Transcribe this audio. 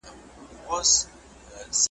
را تېر سوی وي په کلیو په بانډو کي ,